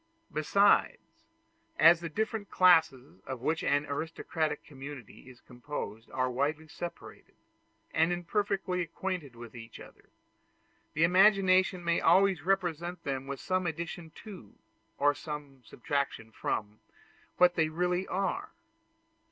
Besides, as the different classes of which an aristocratic community is composed are widely separated, and imperfectly acquainted with each other, the imagination may always represent them with some addition to, or some subtraction from, what they really are.